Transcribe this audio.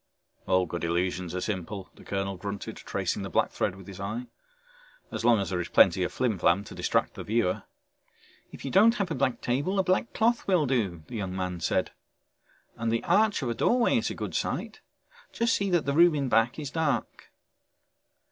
"All good illusions are simple," the colonel grunted, tracing the black thread with his eye. "As long as there is plenty of flimflam to distract the viewer." "If you don't have a black table, a black cloth will do," the young man said. "And the arch of a doorway is a good site, just see that the room in back is dark."